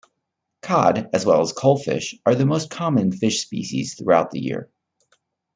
Cod, as well as coalfish, are the most common fish species throughout the year.